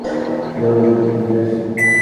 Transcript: ছেলেগুলোর সাথে একটু ঘুরে আসি।